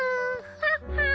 ハッハワ。